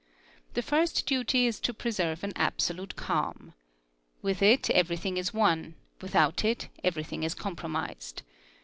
The first duty is to preserve an absolute calm. With it everything is won, without it everything is" compromised.